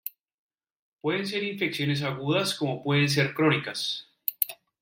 Pueden ser infecciones agudas como pueden ser crónicas.